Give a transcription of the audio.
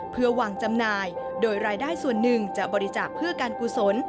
เพื่อวางจำหน่ายโดยรายได้ส่วนหนึ่งจะบริจาคเพื่อการกุศล